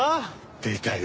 出たよ